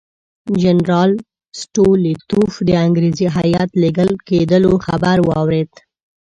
جنرال سټولیتوف د انګریزي هیات لېږل کېدلو خبر واورېد.